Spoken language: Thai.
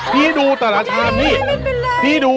พี่ดูตลาดทั้งนี้